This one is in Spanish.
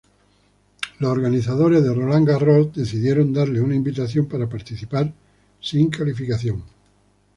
Los organizadores de Roland Garros decidieron darle una invitación para participar sin calificación.